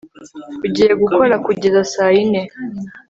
ugiye gukora kugeza saa yine